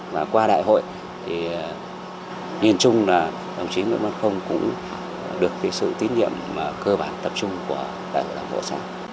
và qua đại hội thì nhìn chung là đồng chí nguyễn văn không cũng được sự tín nhiệm cơ bản tập trung của đại hội đảng bộ xã